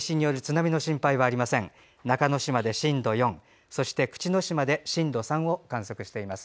中之島で震度４口之島で震度３を観測しています。